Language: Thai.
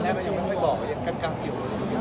แต่หน้าย็นมีอะไรบอกเราก็อะเต็มเลยนี่ไม่ชอบ